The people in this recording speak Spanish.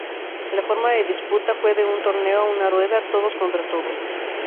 La forma de disputa fue de un torneo a una rueda todos contra todos.